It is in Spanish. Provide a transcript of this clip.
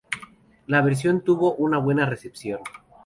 La versión tuvo una buena recepción.